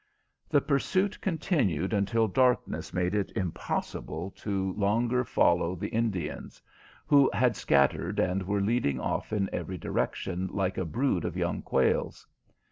The pursuit continued until darkness made it impossible to longer follow the Indians, who had scattered and were leading off in every direction like a brood of young quails.